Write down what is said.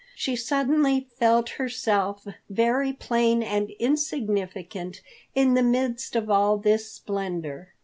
She suddenly felt herself very plain and insignificant in the midst of all this splendor.